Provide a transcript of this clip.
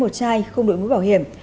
một trai không đội mũ bảo hiểm